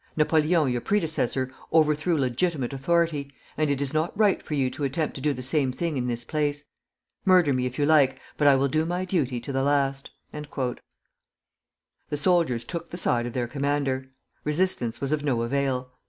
Napoleon, your predecessor, overthrew legitimate authority, and it is not right for you to attempt to do the same thing in this place. Murder me if you like, but I will do my duty to the last." The soldiers took the side of their commander. Resistance was of no avail.